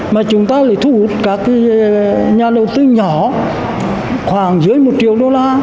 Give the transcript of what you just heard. mà chúng ta lại thu hút các nhà đầu tư nhỏ khoảng dưới một triệu usd